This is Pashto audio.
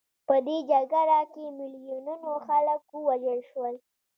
په دې جګړه کې میلیونونو خلک ووژل شول.